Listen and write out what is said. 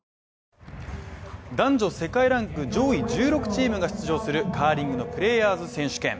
ＪＴ男女世界ランク上位１６チームが出場するカーリングのプレーヤーズ選手権